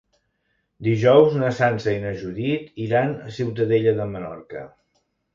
Dijous na Sança i na Judit iran a Ciutadella de Menorca.